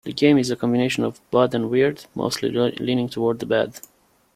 The game is a combination of bad and weird, mostly leaning toward the bad.